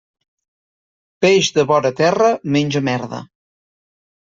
Peix de vora terra menja merda.